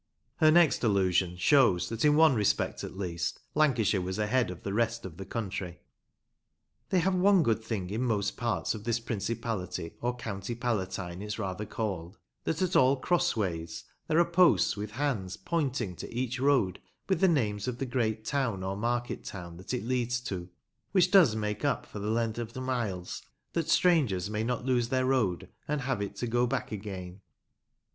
Her next allusion shows that in one respect at least Lancashire was ahead of the rest of the country. They have one good thing in most parts of this principality or county palatine it's rather called, that at all cross ways there are posts with hands pointing to each road with the names of the great town or market town that it leads to, which does make up for the length of the miles, that strangers may not lose theif road and have it to go back again.